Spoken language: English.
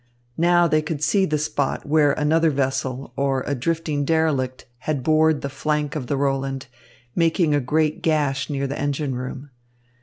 Now they could see the spot where another vessel, or a drifting derelict, had bored the flank of the Roland, making a great gash near the engine room.